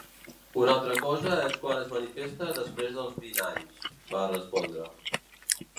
Una altra cosa és quan es manifesta després dels vint anys, va respondre.